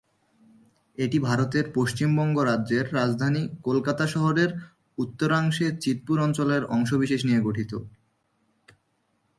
এটি ভারতের পশ্চিমবঙ্গ রাজ্যের রাজধানী কলকাতা শহরের উত্তরাংশের চিৎপুর অঞ্চলের অংশবিশেষ নিয়ে গঠিত।